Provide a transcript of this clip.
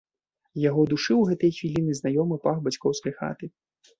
Яго душыў у гэтыя хвіліны знаёмы пах бацькоўскай хаты.